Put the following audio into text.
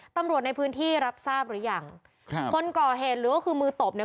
ตำรวจในพื้นที่รับทราบหรือยังครับคนก่อเหตุหรือก็คือมือตบเนี่ย